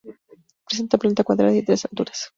Presenta planta cuadrada y tres alturas.